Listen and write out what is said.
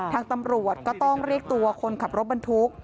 ทางตำรวจก็ต้องเรียกตัวคนขับรถบรรทุก